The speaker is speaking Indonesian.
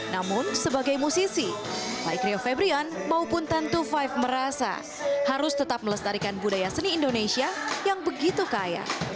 namun sebagai musisi baik rio febrian maupun sepuluh lima merasa harus tetap melestarikan budaya seni indonesia yang begitu kaya